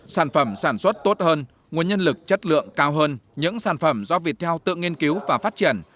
sản phẩm sản xuất tốt hơn nguồn nhân lực chất lượng cao hơn những sản phẩm do viettel tự nghiên cứu và phát triển